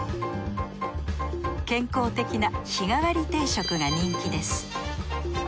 健康的な日替わり定食が人気です。